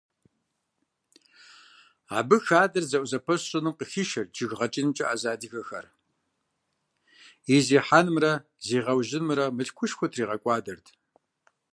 Абы хадэр зэӀузэпэщ щӀыным къыхишэрт жыг гъэкӀынымкӀэ Ӏэзэ адыгэхэр, и зехьэнымрэ зегъэужьынымрэ мылъкушхуэ тригъэкӀуадэрт.